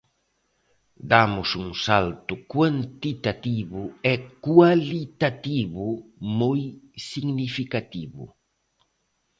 Damos un salto cuantitativo e cualitativo moi significativo.